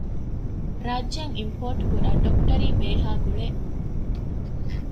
ރާއްޖެއަށް އިމްޕޯޓްކުރާ ޑޮކްޓަރީ ބޭހޭގުޅޭ